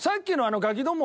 「ガキども」。